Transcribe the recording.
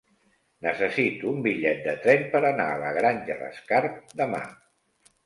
Necessito un bitllet de tren per anar a la Granja d'Escarp demà.